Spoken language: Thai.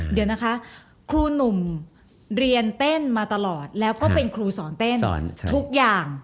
เดี๋ยวนะคะครูหนุ่มเรียนเต้นมาตลอดแล้วก็เป็นครูสอนเต้นทุกอย่าง